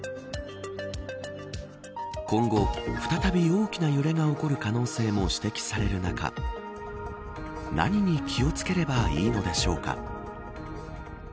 今後、再び大きな揺れが起こる可能性も指摘される中何に気を付ければいいのでしょうか。